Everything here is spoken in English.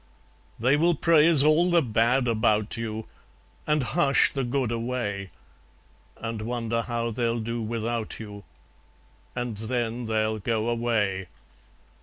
They will praise all the bad about you, And hush the good away, And wonder how they'll do without you, And then they'll go away.